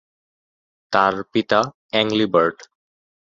তাঁর পিতা অ্যাংলিবার্ট।